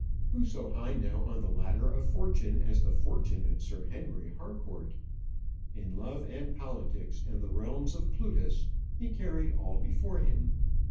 Who so high now on the ladder of fortune as the fortunate Sir Henry Harcourt? In love and politics and the realms of Plutus, he carried all before him.